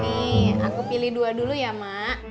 nih aku pilih dua dulu ya mak